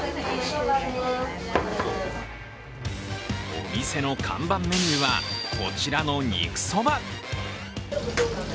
お店の看板メニューはこちらの肉ソバ。